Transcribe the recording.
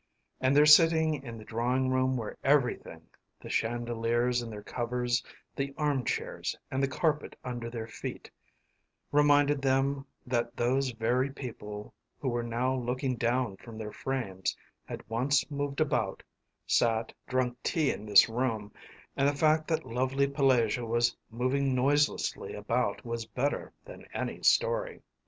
And their sitting in the drawing room where everything the chandeliers in their covers, the arm chairs, and the carpet under their feet reminded them that those very people who were now looking down from their frames had once moved about, sat, drunk tea in this room, and the fact that lovely Pelagea was moving noiselessly about was better than any story.